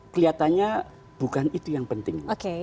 kelihatannya bukan itu yang penting